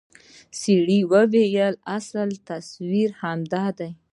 سړي وويل اصلي تصوير همدا دى.